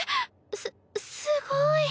すすごい。